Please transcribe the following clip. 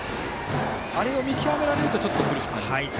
あれを見極められるとちょっと苦しくなりますかね。